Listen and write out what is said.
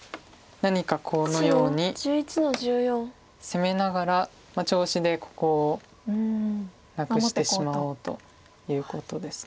攻めながら調子でここをなくしてしまおうということです。